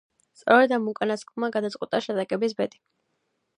სწორედ ამ უკანასკნელმა გადაწყვიტა შეტაკების ბედი.